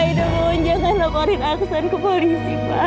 aida mohon jangan laporkan aksan ke polisi pak